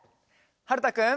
はるたくん。